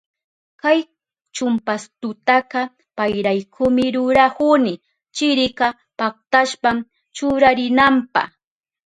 Kay chumpastutaka payraykumi rurahuni, chirika paktashpan churarinanpa.